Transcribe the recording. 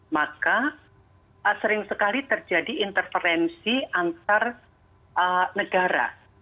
maka sering sekali terjadi interferensi antar negara